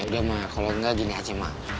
yaudah mak kalo enggak gini aja mak